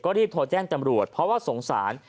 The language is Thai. รีบโทรแจ้งจำรวจเพราะว่าสงสาร